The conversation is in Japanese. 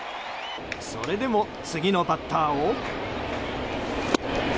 それでも次のバッターを。